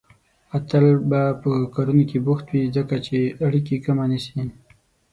اتل به په کارونو کې بوخت وي، ځکه چې اړيکه کمه نيسي.